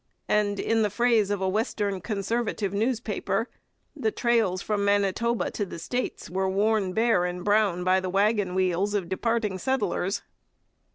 And, in the phrase of a western Conservative newspaper, 'the trails from Manitoba to the States were worn bare and brown by the waggon wheels of departing settlers.'